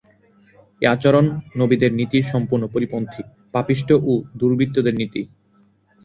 এ আচরণ নবীদের নীতির সম্পূর্ণ পরিপন্থী—পাপিষ্ঠ ও দুবৃত্তদের নীতি।